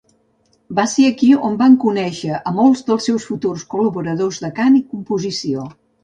Va ser aquí on van conèixer a molts dels seus futurs col·laboradors de cant i composició.